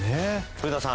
古田さん